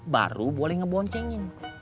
baru boleh ngeboncengin